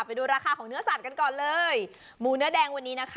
ไปดูราคาของเนื้อสัตว์กันก่อนเลยหมูเนื้อแดงวันนี้นะคะ